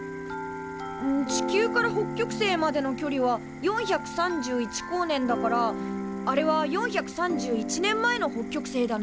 地球から北極星までの距離は４３１光年だからあれは４３１年前の北極星だね。